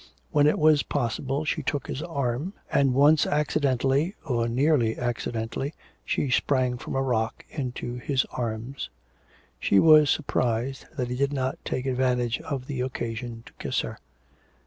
When it was possible she took his arm, and once accidentally, or nearly accidentally, she sprang from a rock into his arms. She was surprised that he did not take advantage of the occasion to kiss her.